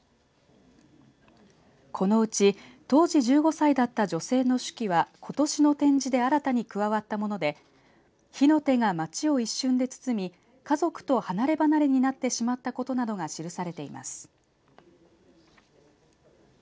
このうち当時１５歳だった女性の手記はことしの展示で新たに加わったもので火の手が街を一瞬で包み家族と離れ離れになってしまったことなどが記されています。